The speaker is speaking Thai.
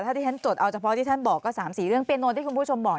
ถ้าที่ฉันจดเอาเฉพาะที่ท่านบอกก็๓๔เรื่องเปียโนที่คุณผู้ชมบอก